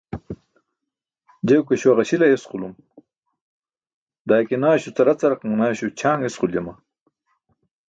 je guke śuwa ġaśil ayesqulum daa ike naśo caracaraq manaaśo ćʰaaṅ esquljama